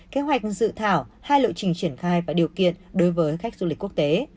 kế hoạch dự thảo hai lộ trình triển khai và điều kiện đối với khách du lịch quốc tế